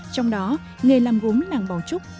trong đó có nghề làm gốm làng bảo trúc